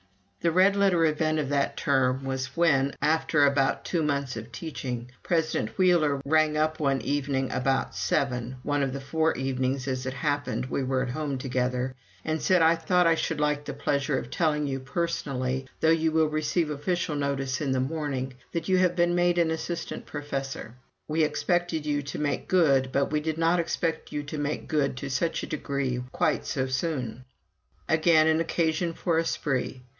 The red letter event of that term was when, after about two months of teaching, President Wheeler rang up one evening about seven, one of the four evenings, as it happened, we were at home together, and said: "I thought I should like the pleasure of telling you personally, though you will receive official notice in the morning, that you have been made an assistant professor. We expected you to make good, but we did not expect you to make good to such a degree quite so soon." Again an occasion for a spree!